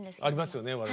ありますよね